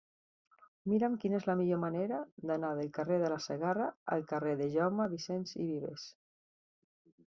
Mira'm quina és la millor manera d'anar del carrer de la Segarra al carrer de Jaume Vicens i Vives.